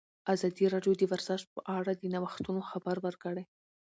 ازادي راډیو د ورزش په اړه د نوښتونو خبر ورکړی.